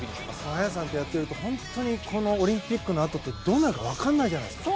綾さん、本当にオリンピックのあとってどうなるか分からないじゃないですか。